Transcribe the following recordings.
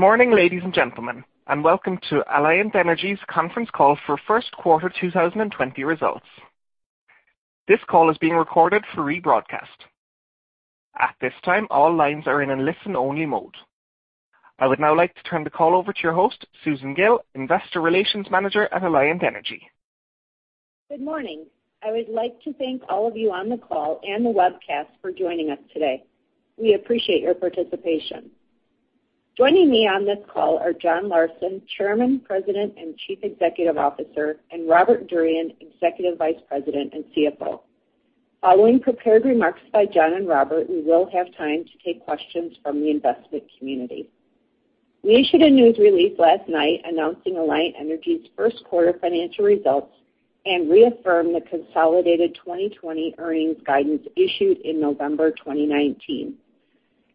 Good morning, ladies and gentlemen, and welcome to Alliant Energy's conference call for first quarter 2020 results. This call is being recorded for rebroadcast. At this time, all lines are in a listen-only mode. I would now like to turn the call over to your host, Susan Gille, Investor Relations Manager at Alliant Energy. Good morning. I would like to thank all of you on the call and the webcast for joining us today. We appreciate your participation. Joining me on this call are John Larsen, Chairman, President, and Chief Executive Officer, and Robert Durian, Executive Vice President and CFO. Following prepared remarks by John and Robert, we will have time to take questions from the investment community. We issued a news release last night announcing Alliant Energy's first-quarter financial results and reaffirmed the consolidated 2020 earnings guidance issued in November 2019.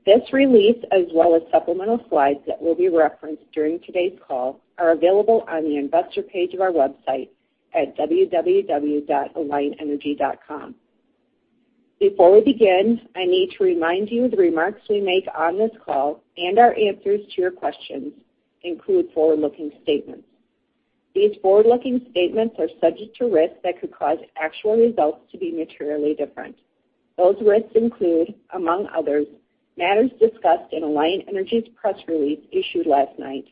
This release, as well as supplemental slides that will be referenced during today's call, are available on the investor page of our website at www.alliantenergy.com. Before we begin, I need to remind you the remarks we make on this call, and our answers to your questions, include forward-looking statements. These forward-looking statements are subject to risks that could cause actual results to be materially different. Those risks include, among others, matters discussed in Alliant Energy's press release issued last night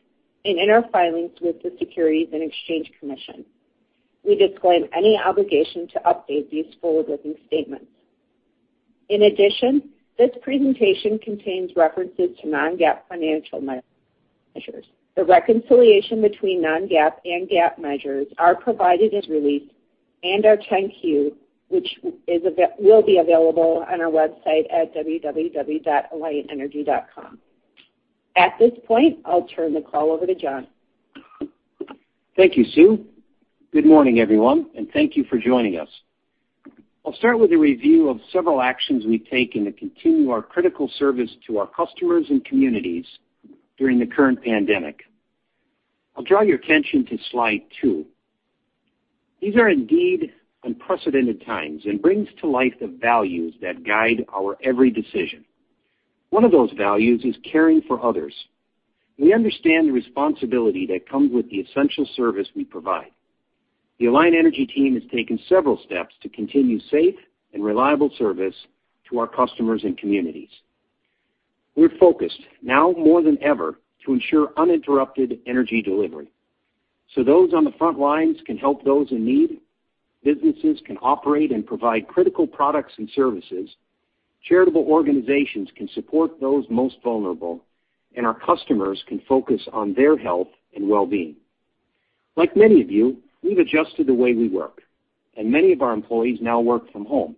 and in our filings with the Securities and Exchange Commission. We disclaim any obligation to update these forward-looking statements. This presentation contains references to non-GAAP financial measures. The reconciliation between non-GAAP and GAAP measures are provided as released and our 10-Q, which will be available on our website at www.alliantenergy.com. At this point, I'll turn the call over to John. Thank you, Sue. Good morning, everyone, and thank you for joining us. I'll start with a review of several actions we've taken to continue our critical service to our customers and communities during the current pandemic. I'll draw your attention to slide two. These are indeed unprecedented times and brings to life the values that guide our every decision. One of those values is caring for others. We understand the responsibility that comes with the essential service we provide. The Alliant Energy team has taken several steps to continue safe and reliable service to our customers and communities. We're focused, now more than ever, to ensure uninterrupted energy delivery so those on the front lines can help those in need, businesses can operate and provide critical products and services, charitable organizations can support those most vulnerable, and our customers can focus on their health and well-being. Like many of you, we've adjusted the way we work, and many of our employees now work from home.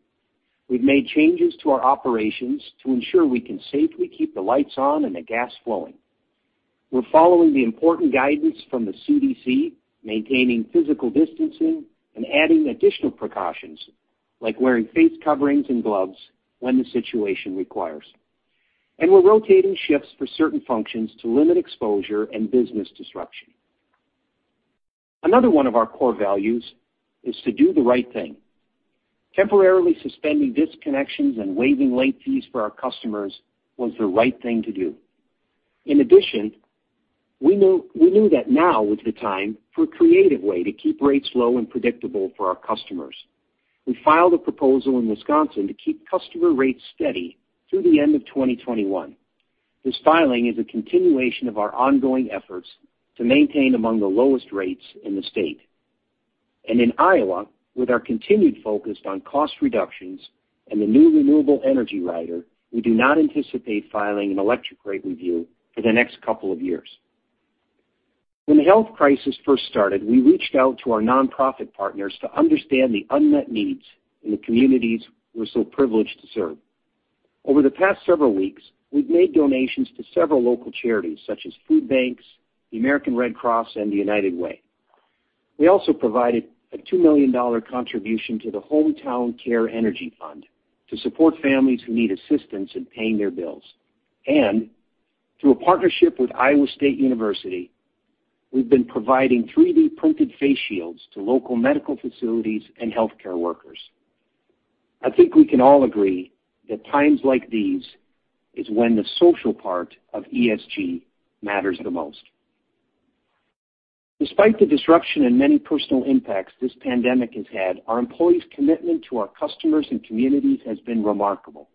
We've made changes to our operations to ensure we can safely keep the lights on and the gas flowing. We're following the important guidance from the CDC, maintaining physical distancing, and adding additional precautions, like wearing face coverings and gloves when the situation requires. We're rotating shifts for certain functions to limit exposure and business disruption. Another one of our core values is to do the right thing. Temporarily suspending disconnections and waiving late fees for our customers was the right thing to do. In addition, we knew that now was the time for a creative way to keep rates low and predictable for our customers. We filed a proposal in Wisconsin to keep customer rates steady through the end of 2021. This filing is a continuation of our ongoing efforts to maintain among the lowest rates in the state. In Iowa, with our continued focus on cost reductions and the new renewable energy rider, we do not anticipate filing an electric rate review for the next couple of years. When the health crisis first started, we reached out to our nonprofit partners to understand the unmet needs in the communities we're so privileged to serve. Over the past several weeks, we've made donations to several local charities, such as food banks, the American Red Cross, and the United Way. We also provided a $2 million contribution to the Hometown Care Energy Fund to support families who need assistance in paying their bills. Through a partnership with Iowa State University, we've been providing 3D-printed face shields to local medical facilities and healthcare workers. I think we can all agree that times like these is when the social part of ESG matters the most. Despite the disruption and many personal impacts this pandemic has had, our employees' commitment to our customers and communities has been remarkable.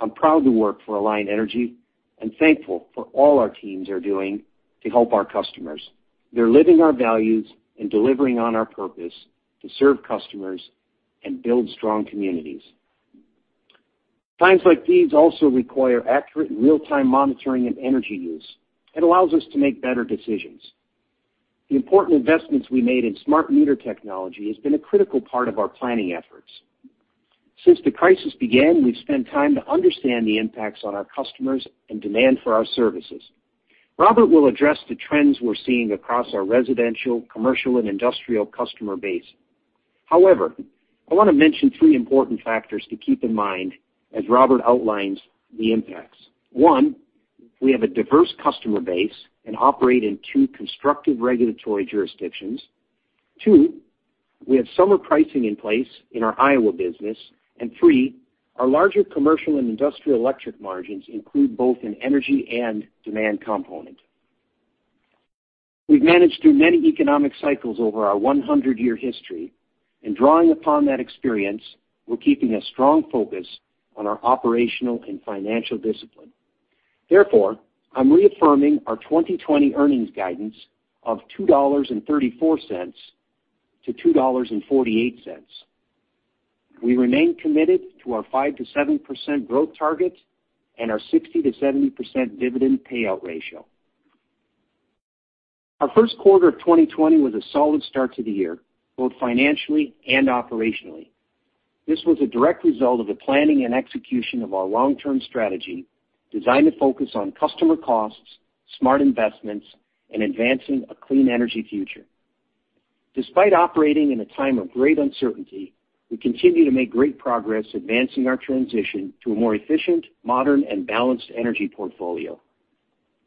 I'm proud to work for Alliant Energy and thankful for all our teams are doing to help our customers. They're living our values and delivering on our purpose to serve customers and build strong communities. Times like these also require accurate real-time monitoring of energy use. It allows us to make better decisions. The important investments we made in smart meter technology has been a critical part of our planning efforts. Since the crisis began, we've spent time to understand the impacts on our customers and demand for our services. Robert will address the trends we're seeing across our residential, commercial, and industrial customer base. However, I want to mention three important factors to keep in mind as Robert outlines the impacts. One, we have a diverse customer base and operate in two constructive regulatory jurisdictions. Two, we have summer pricing in place in our Iowa business. Three, our larger commercial and industrial electric margins include both an energy and demand component. We've managed through many economic cycles over our 100-year history, and drawing upon that experience, we're keeping a strong focus on our operational and financial discipline. Therefore, I'm reaffirming our 2020 earnings guidance of $2.34-$2.48. We remain committed to our 5%-7% growth target and our 60%-70% dividend payout ratio. Our first quarter of 2020 was a solid start to the year, both financially and operationally. This was a direct result of the planning and execution of our long-term strategy, designed to focus on customer costs, smart investments, and advancing a clean energy future. Despite operating in a time of great uncertainty, we continue to make great progress advancing our transition to a more efficient, modern, and balanced energy portfolio.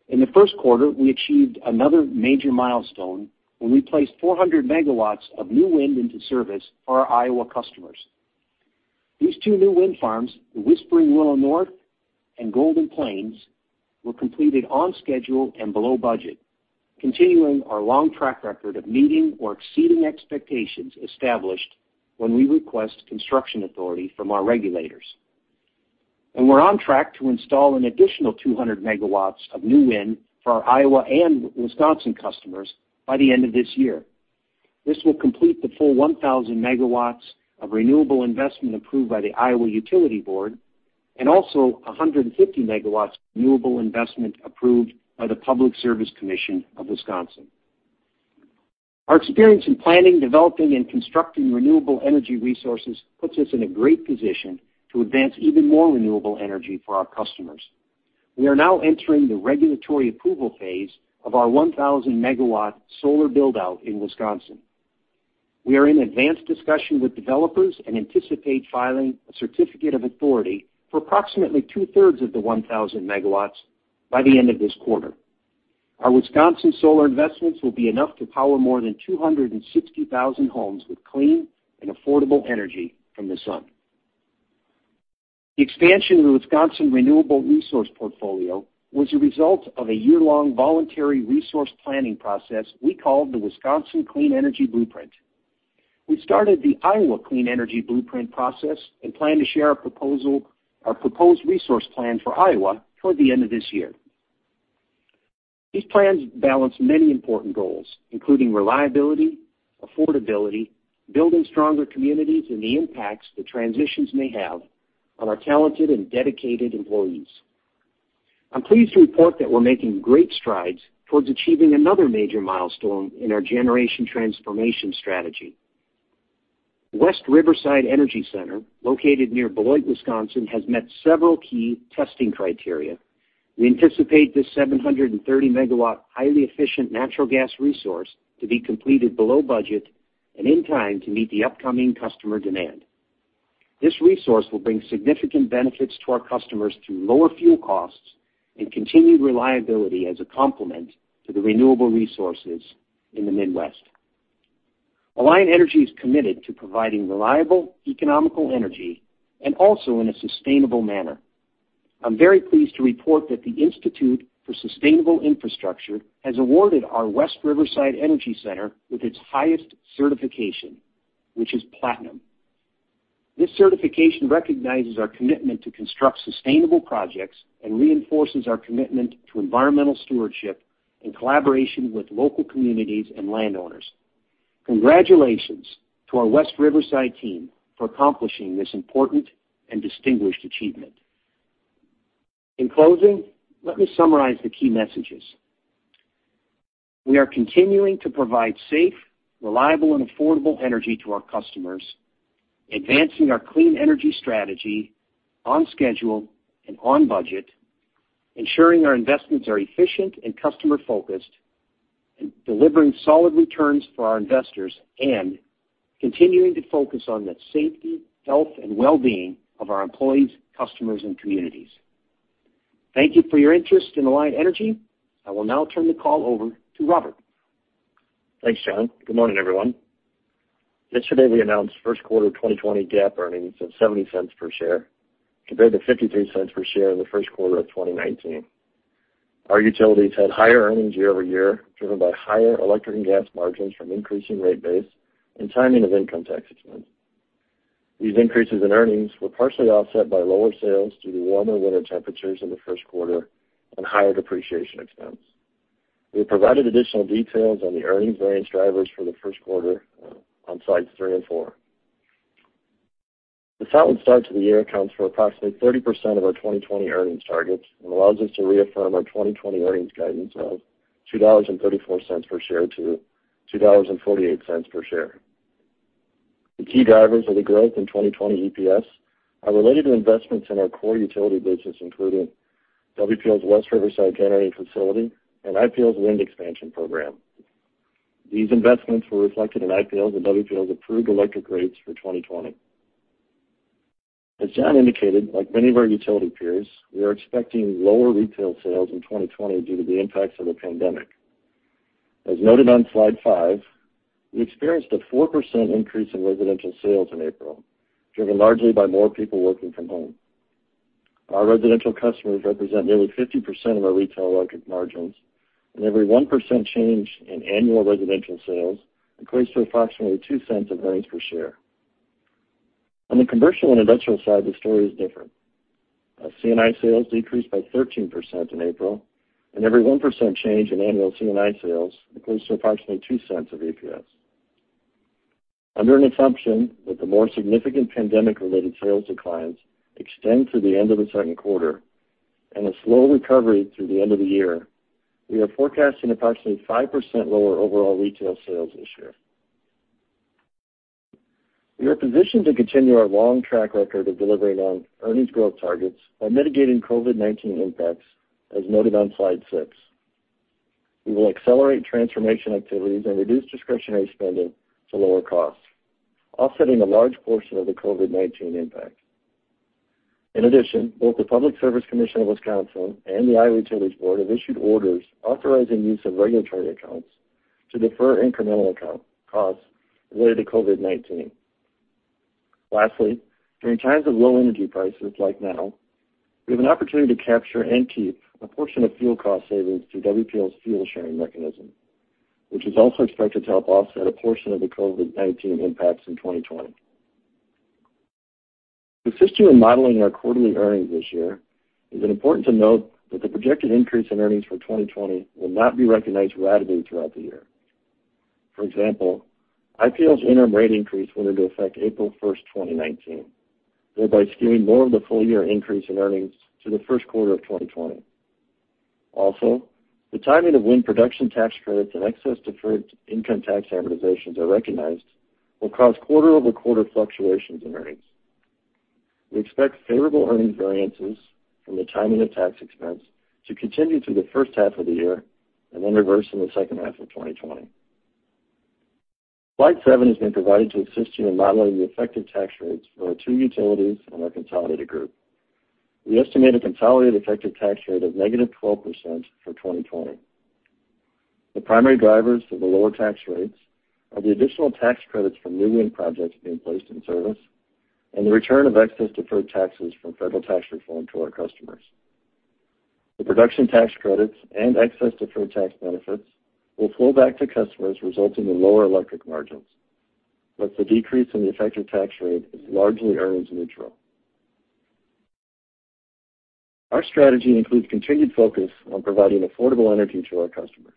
In the first quarter, we achieved another major milestone when we placed 400 MW of new wind into service for our Iowa customers. These two new wind farms, the Whispering Willow North and Golden Plains, were completed on schedule and below budget, continuing our long track record of meeting or exceeding expectations established when we request construction authority from our regulators. We're on track to install an additional 200 MW of new wind for our Iowa and Wisconsin customers by the end of this year. This will complete the full 1,000 MW of renewable investment approved by the Iowa Utilities Board, and also 150 MW of renewable investment approved by the Public Service Commission of Wisconsin. Our experience in planning, developing, and constructing renewable energy resources puts us in a great position to advance even more renewable energy for our customers. We are now entering the regulatory approval phase of our 1,000 MW solar build-out in Wisconsin. We are in advanced discussion with developers and anticipate filing a certificate of authority for approximately two-thirds of the 1,000 MW by the end of this quarter. Our Wisconsin solar investments will be enough to power more than 260,000 homes with clean and affordable energy from the sun. The expansion of the Wisconsin renewable resource portfolio was a result of a year-long voluntary resource planning process we call the Wisconsin Clean Energy Blueprint. We started the Iowa Clean Energy Blueprint process and plan to share our proposed resource plan for Iowa toward the end of this year. These plans balance many important goals, including reliability, affordability, building stronger communities, and the impacts the transitions may have on our talented and dedicated employees. I'm pleased to report that we're making great strides towards achieving another major milestone in our generation transformation strategy. West Riverside Energy Center, located near Beloit, Wisconsin, has met several key testing criteria. We anticipate this 730 MW, highly efficient natural gas resource to be completed below budget and in time to meet the upcoming customer demand. This resource will bring significant benefits to our customers through lower fuel costs and continued reliability as a complement to the renewable resources in the Midwest. Alliant Energy is committed to providing reliable, economical energy, and also in a sustainable manner. I'm very pleased to report that the Institute for Sustainable Infrastructure has awarded our West Riverside Energy Center with its highest certification, which is platinum. This certification recognizes our commitment to construct sustainable projects and reinforces our commitment to environmental stewardship in collaboration with local communities and landowners. Congratulations to our West Riverside team for accomplishing this important and distinguished achievement. In closing, let me summarize the key messages. We are continuing to provide safe, reliable, and affordable energy to our customers, advancing our clean energy strategy on schedule and on budget, ensuring our investments are efficient and customer-focused, and delivering solid returns for our investors, and continuing to focus on the safety, health, and well-being of our employees, customers, and communities. Thank you for your interest in Alliant Energy. I will now turn the call over to Robert. Thanks, John. Good morning, everyone. Yesterday, we announced first quarter 2020 GAAP earnings of $0.70 per share, compared to $0.53 per share in the first quarter of 2019. Our utilities had higher earnings year-over-year, driven by higher electric and gas margins from increasing rate base and timing of income tax expense. These increases in earnings were partially offset by lower sales due to warmer winter temperatures in the first quarter and higher depreciation expense. We have provided additional details on the earnings variance drivers for the first quarter on slides three and four. The solid start to the year accounts for approximately 30% of our 2020 earnings targets and allows us to reaffirm our 2020 earnings guidance of $2.34 per share to $2.48 per share. The key drivers of the growth in 2020 EPS are related to investments in our core utility business, including WPL's West Riverside Energy Center and IPL's wind expansion program. These investments were reflected in IPL's and WPL's approved electric rates for 2020. As John indicated, like many of our utility peers, we are expecting lower retail sales in 2020 due to the impacts of the pandemic. As noted on slide five, we experienced a 4% increase in residential sales in April, driven largely by more people working from home. Our residential customers represent nearly 50% of our retail electric margins, and every 1% change in annual residential sales equates to approximately $0.02 of earnings per share. On the commercial and industrial side, the story is different. Our C&I sales decreased by 13% in April, and every 1% change in annual C&I sales equates to approximately $0.02 of EPS. Under an assumption that the more significant pandemic-related sales declines extend through the end of the second quarter, and a slow recovery through the end of the year, we are forecasting approximately 5% lower overall retail sales this year. We are positioned to continue our long track record of delivering on earnings growth targets by mitigating COVID-19 impacts, as noted on slide six. We will accelerate transformation activities and reduce discretionary spending to lower costs, offsetting a large portion of the COVID-19 impact. In addition, both the Public Service Commission of Wisconsin and the Iowa Utilities Board have issued orders authorizing use of regulatory accounts to defer incremental costs related to COVID-19. Lastly, during times of low energy prices like now, we have an opportunity to capture and keep a portion of fuel cost savings through WPL's fuel sharing mechanism, which is also expected to help offset a portion of the COVID-19 impacts in 2020. To assist you in modeling our quarterly earnings this year, is it important to note that the projected increase in earnings for 2020 will not be recognized ratably throughout the year. For example, IPL's interim rate increase went into effect April 1st, 2019, thereby skewing more of the full-year increase in earnings to the first quarter of 2020. Also, the timing of when production tax credits and excess deferred income tax amortizations are recognized will cause quarter-over-quarter fluctuations in earnings. We expect favorable earnings variances from the timing of tax expense to continue through the first half of the year and then reverse in the second half of 2020. Slide seven has been provided to assist you in modeling the effective tax rates for our two utilities and our consolidated group. We estimate a consolidated effective tax rate of negative 12% for 2020. The primary drivers for the lower tax rates are the additional tax credits from new wind projects being placed in service and the return of excess deferred taxes from federal tax reform to our customers. The production tax credits and excess deferred tax benefits will flow back to customers, resulting in lower electric margins, but the decrease in the effective tax rate is largely earnings neutral. Our strategy includes continued focus on providing affordable energy to our customers.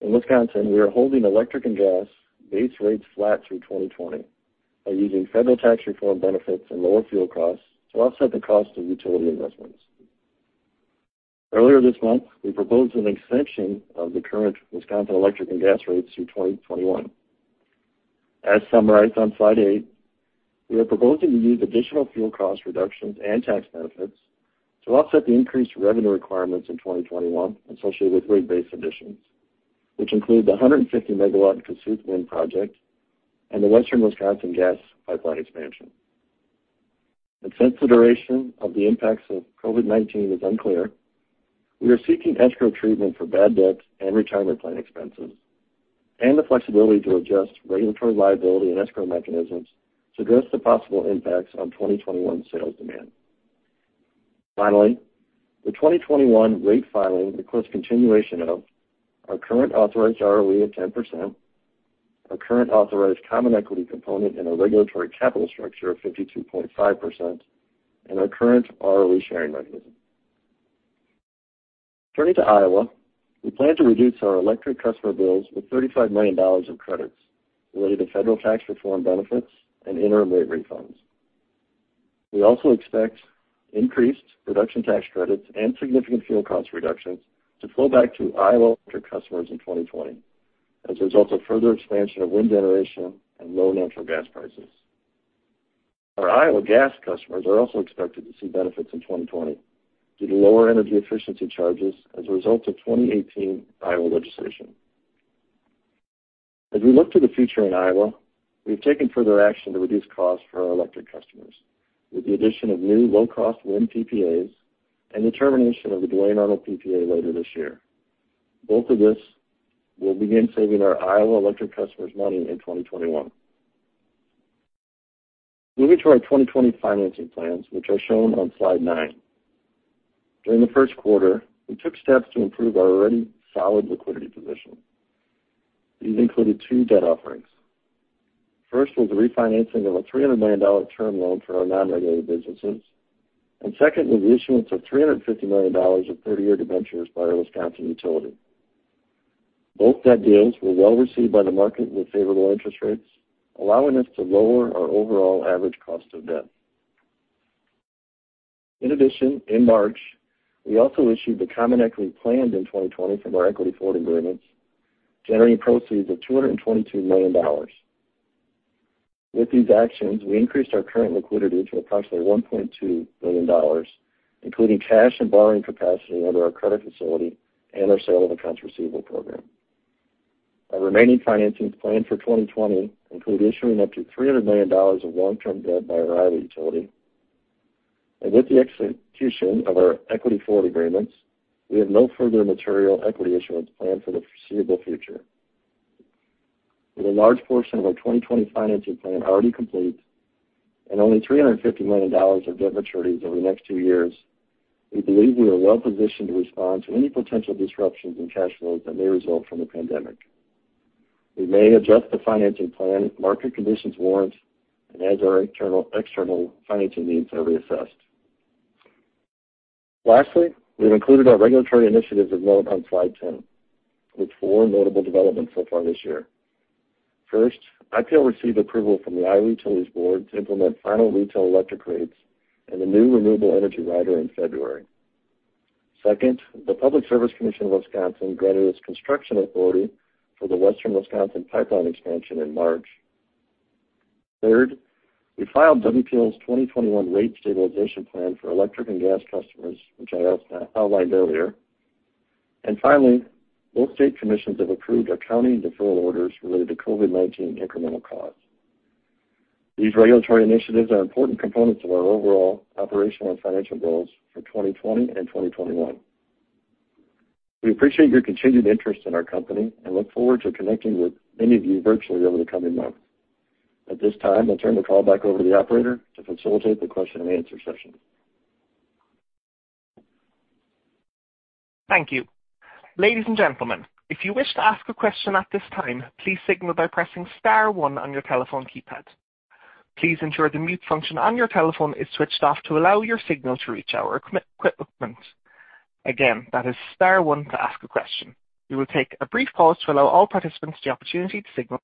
In Wisconsin, we are holding electric and gas base rates flat through 2020 by using federal tax reform benefits and lower fuel costs to offset the cost of utility investments. Earlier this month, we proposed an extension of the current Wisconsin electric and gas rates through 2021. As summarized on slide eight, we are proposing to use additional fuel cost reductions and tax benefits to offset the increased revenue requirements in 2021 associated with rate base additions, which include the 150 MW Kossuth wind project and the Western Wisconsin gas pipeline expansion. Since the duration of the impacts of COVID-19 is unclear, we are seeking escrow treatment for bad debts and retirement plan expenses, and the flexibility to adjust regulatory liability and escrow mechanisms to address the possible impacts on 2021 sales demand. Finally, the 2021 rate filing requires continuation of our current authorized ROE of 10%, our current authorized common equity component in our regulatory capital structure of 52.5%, and our current ROE sharing mechanism. Turning to Iowa, we plan to reduce our electric customer bills with $35 million of credits related to federal tax reform benefits and interim rate refunds. We also expect increased production tax credits and significant fuel cost reductions to flow back to Iowa electric customers in 2020 as a result of further expansion of wind generation and low natural gas prices. Our Iowa gas customers are also expected to see benefits in 2020 due to lower energy efficiency charges as a result of 2018 Iowa legislation. As we look to the future in Iowa, we've taken further action to reduce costs for our electric customers with the addition of new low-cost wind PPAs and the termination of the Duane Arnold PPA later this year. Both of these will begin saving our Iowa electric customers money in 2021. Moving to our 2020 financing plans, which are shown on slide nine. During the first quarter, we took steps to improve our already solid liquidity position. These included two debt offerings. First was the refinancing of a $300 million term loan for our non-regulated businesses, and second was the issuance of $350 million of 30-year debentures by our Wisconsin utility. Both debt deals were well-received by the market with favorable interest rates, allowing us to lower our overall average cost of debt. In addition, in March, we also issued the common equity planned in 2020 from our equity forward agreements, generating proceeds of $222 million. With these actions, we increased our current liquidity to approximately $1.2 billion, including cash and borrowing capacity under our credit facility and our sale of accounts receivable program. Our remaining financings planned for 2020 include issuing up to $300 million of long-term debt by our Iowa utility. With the execution of our equity forward agreements, we have no further material equity issuance planned for the foreseeable future. With a large portion of our 2020 financing plan already complete, and only $350 million of debt maturities over the next two years, we believe we are well-positioned to respond to any potential disruptions in cash flow that may result from the pandemic. We may adjust the financing plan if market conditions warrant and as our external financing needs are reassessed. Lastly, we've included our regulatory initiatives as noted on slide 10, with four notable developments so far this year. First, WPL received approval from the Iowa Utilities Board to implement final retail electric rates and the new renewable energy rider in February. Second, the Public Service Commission of Wisconsin granted us construction authority for the Western Wisconsin Pipeline expansion in March. Third, we filed WPL's 2021 rate stabilization plan for electric and gas customers, which I outlined earlier. Finally, both state commissions have approved our county deferral orders related to COVID-19 incremental costs. These regulatory initiatives are important components of our overall operational and financial goals for 2020 and 2021. We appreciate your continued interest in our company and look forward to connecting with many of you virtually over the coming months. At this time, I'll turn the call back over to the operator to facilitate the question-and-answer session. Thank you. Ladies and gentlemen, if you wish to ask a question at this time, please signal by pressing star one on your telephone keypad. Please ensure the mute function on your telephone is switched off to allow your signal to reach our equipment. Again, that is star one to ask a question. We will take a brief pause to allow all participants the opportunity to signal.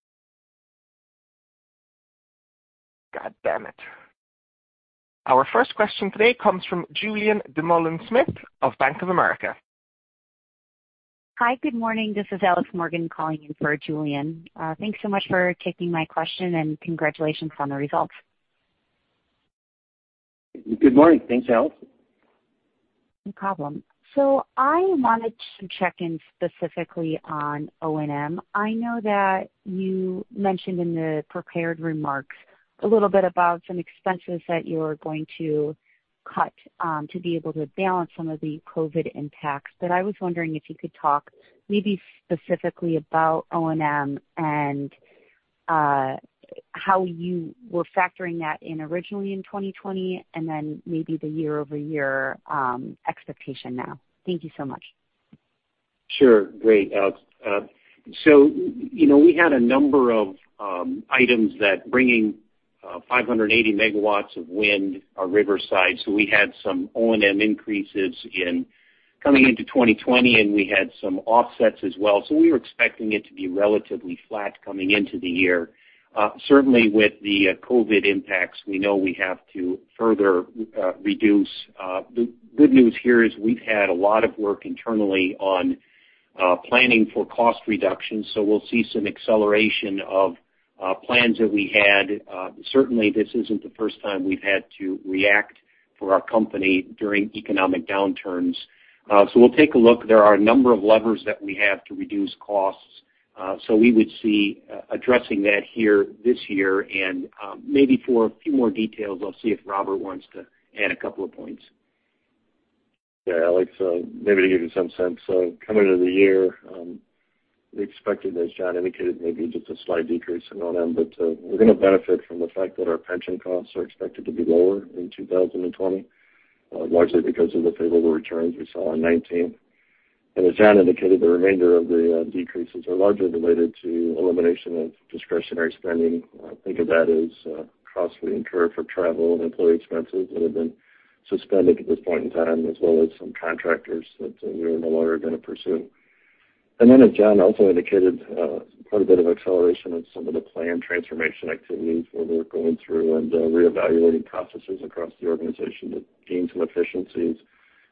God damn it. Our first question today comes from Julien Dumoulin-Smith of Bank of America. Hi. Good morning. This is Alex Morgan calling in for Julien. Thanks so much for taking my question, and congratulations on the results. Good morning. Thanks, Alex. No problem. I wanted to check in specifically on O&M. I know that you mentioned in the prepared remarks a little bit about some expenses that you're going to cut to be able to balance some of the COVID-19 impacts. I was wondering if you could talk maybe specifically about O&M and how you were factoring that in originally in 2020, and then maybe the year-over-year expectation now. Thank you so much. Sure. Great, Alex. We had a number of items that bringing 580 MW of wind are Riverside, so we had some O&M increases in coming into 2020, and we had some offsets as well. We were expecting it to be relatively flat coming into the year. Certainly, with the COVID-19 impacts, we know we have to further reduce. The good news here is we've had a lot of work internally on planning for cost reductions, so we'll see some acceleration of plans that we had. Certainly, this isn't the first time we've had to react for our company during economic downturns. We'll take a look. There are a number of levers that we have to reduce costs. We would see addressing that here this year and maybe for a few more details, I'll see if Robert wants to add a couple of points. Yeah, Alex. Maybe to give you some sense. Coming into the year, we expected, as John indicated, maybe just a slight decrease in O&M. We're going to benefit from the fact that our pension costs are expected to be lower in 2020, largely because of the favorable returns we saw in 2019. As John indicated, the remainder of the decreases are largely related to elimination of discretionary spending. Think of that as costs we incur for travel and employee expenses that have been suspended at this point in time, as well as some contractors that we're no longer going to pursue. As John also indicated, quite a bit of acceleration of some of the planned transformation activities where we're going through and reevaluating processes across the organization to gain some efficiencies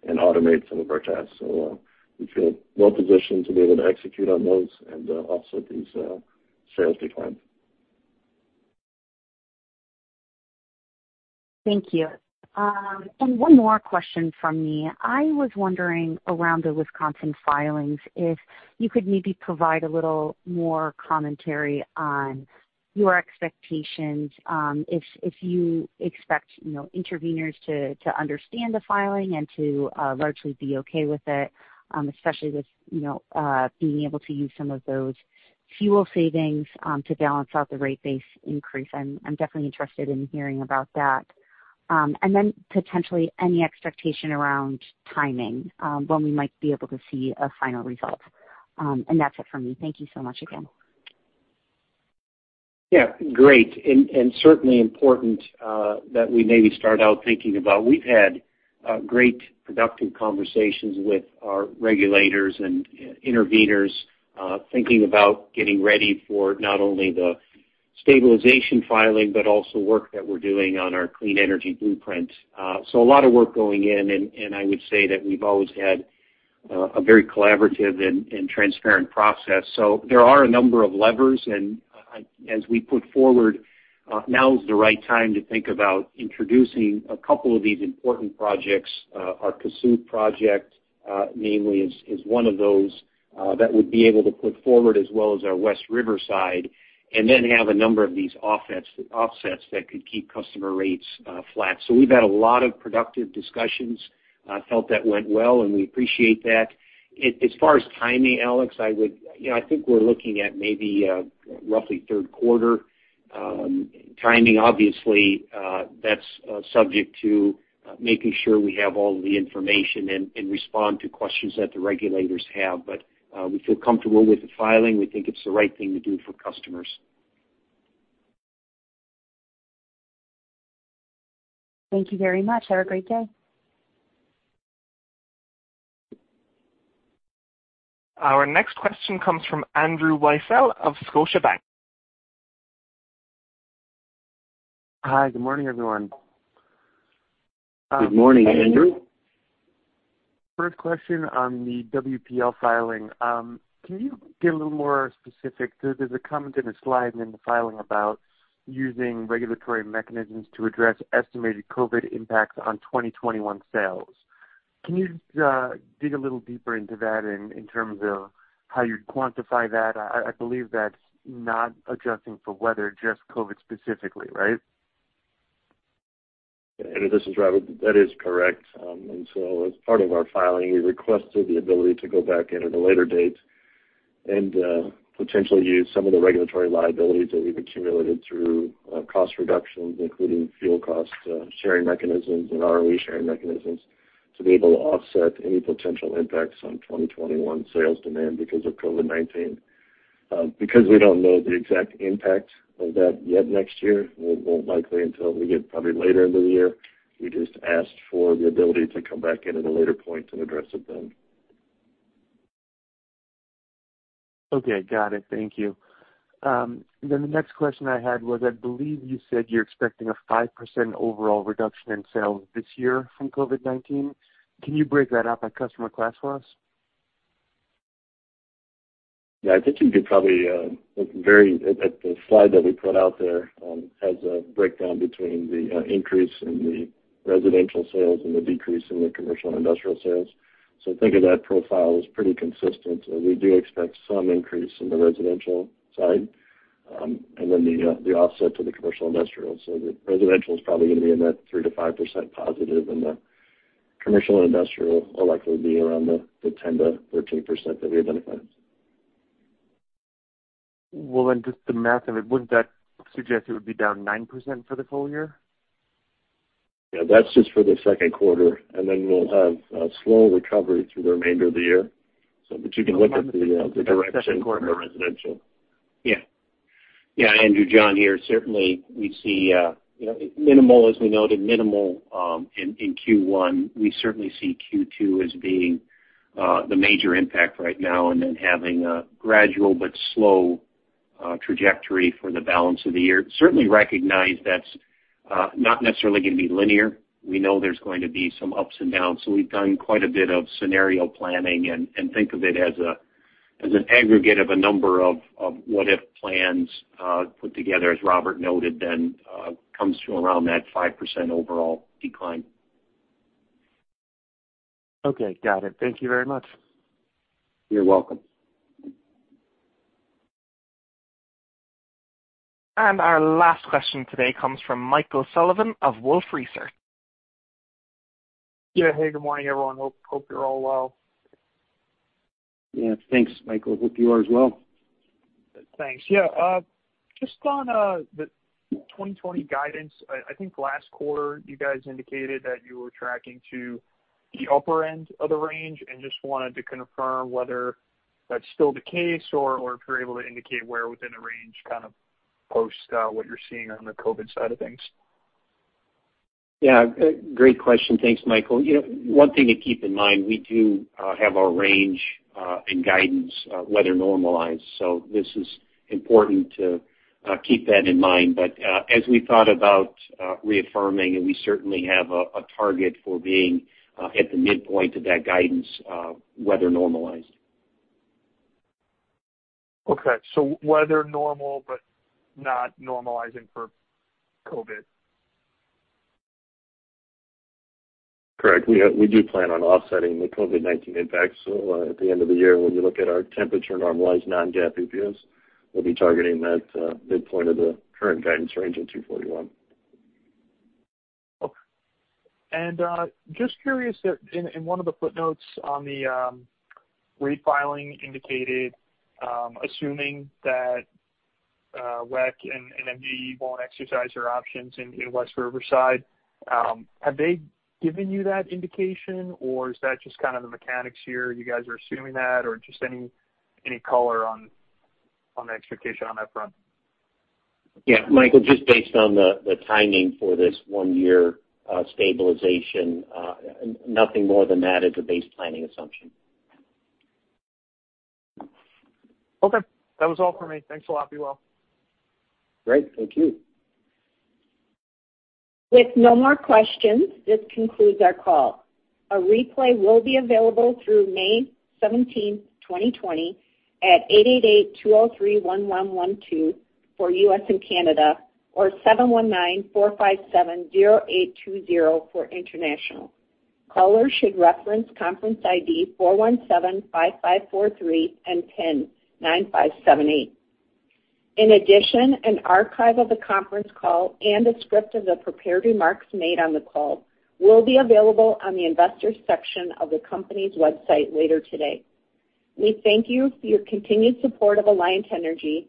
and automate some of our tasks. We feel well-positioned to be able to execute on those and offset these sales declines. Thank you. One more question from me. I was wondering around the Wisconsin filings, if you could maybe provide a little more commentary on your expectations, if you expect intervenors to understand the filing and to largely be okay with it, especially with being able to use some of those fuel savings to balance out the rate base increase. I'm definitely interested in hearing about that. Potentially any expectation around timing, when we might be able to see a final result. That's it for me. Thank you so much again. Yeah. Great. Certainly important that we maybe start out thinking about. We've had great, productive conversations with our regulators and intervenors, thinking about getting ready for not only the stabilization filing, but also work that we're doing on our Clean Energy Blueprint. A lot of work going in, and I would say that we've always had a very collaborative and transparent process. There are a number of levers, and as we put forward, now is the right time to think about introducing a couple of these important projects. Our Kossuth project, namely, is one of those that would be able to put forward as well as our West Riverside, and then have a number of these offsets that could keep customer rates flat. We've had a lot of productive discussions, felt that went well, and we appreciate that. As far as timing, Alex, I think we're looking at maybe roughly third quarter timing. Obviously, that's subject to making sure we have all the information and respond to questions that the regulators have. We feel comfortable with the filing. We think it's the right thing to do for customers. Thank you very much. Have a great day. Our next question comes from Andrew Weisel of Scotiabank. Hi. Good morning, everyone. Good morning, Andrew. First question on the WPL filing. Can you get a little more specific? There's a comment in a slide in the filing about using regulatory mechanisms to address estimated COVID impacts on 2021 sales. Can you dig a little deeper into that in terms of how you'd quantify that? I believe that's not adjusting for weather, just COVID specifically, right? Andrew, this is Robert. That is correct. As part of our filing, we requested the ability to go back in at a later date and potentially use some of the regulatory liabilities that we've accumulated through cost reductions, including fuel cost sharing mechanisms and ROE sharing mechanisms, to be able to offset any potential impacts on 2021 sales demand because of COVID-19. We don't know the exact impact of that yet next year, it won't likely until we get probably later into the year. We just asked for the ability to come back in at a later point and address it then. Okay, got it. Thank you. The next question I had was, I believe you said you're expecting a 5% overall reduction in sales this year from COVID-19. Can you break that out by customer class for us? Yeah, I think you could probably look at the slide that we put out there has a breakdown between the increase in the residential sales and the decrease in the commercial and industrial sales. Think of that profile as pretty consistent. We do expect some increase in the residential side, and then the offset to the commercial industrial. The residential is probably going to be in that 3% to 5% positive, and the commercial and industrial will likely be around the 10% to 13% that we identified. Well, just the math of it, wouldn't that suggest it would be down 9% for the full year? Yeah, that's just for the second quarter, and then we'll have a slow recovery through the remainder of the year. You can look at the direction for residential. Yeah, Andrew, John here. Certainly, we see minimal, as we noted, minimal in Q1. We certainly see Q2 as being the major impact right now, and then having a gradual but slow trajectory for the balance of the year. Certainly recognize that's not necessarily going to be linear. We know there's going to be some ups and downs, so we've done quite a bit of scenario planning and think of it as an aggregate of a number of what-if plans put together, as Robert noted, then comes to around that 5% overall decline. Okay, got it. Thank you very much. You're welcome. Our last question today comes from Michael Sullivan of Wolfe Research. Yeah. Hey, good morning, everyone. Hope you're all well. Yeah, thanks, Michael. Hope you are as well. Thanks. Yeah. Just on the 2020 guidance, I think last quarter you guys indicated that you were tracking to the upper end of the range. Just wanted to confirm whether that's still the case or if you're able to indicate where within the range kind of post what you're seeing on the COVID-19 side of things. Yeah, great question. Thanks, Michael. One thing to keep in mind, we do have our range in guidance, weather normalized. This is important to keep that in mind. As we thought about reaffirming, and we certainly have a target for being at the midpoint of that guidance, weather normalized. Okay. Weather normal, but not normalizing for COVID. Correct. We do plan on offsetting the COVID-19 impacts at the end of the year. When you look at our temperature-normalized non-GAAP EPS, we'll be targeting that midpoint of the current guidance range of $2.41. Okay. Just curious that in one of the footnotes on the rate filing indicated assuming that WEC and MGE won't exercise their options in West Riverside. Have they given you that indication, or is that just kind of the mechanics here? You guys are assuming that, or just any color on the expectation on that front? Yeah, Michael, just based on the timing for this one year stabilization. Nothing more than that as a base planning assumption. Okay, that was all for me. Thanks a lot. Be well. Great. Thank you. With no more questions, this concludes our call. A replay will be available through May 17th, 2020 at 888-203-1112 for U.S. and Canada or 719-457-0820 for international. Callers should reference conference ID 4175543 and pin nine five seven eight. In addition, an archive of the conference call and a script of the prepared remarks made on the call will be available on the Investors section of the company's website later today. We thank you for your continued support of Alliant Energy.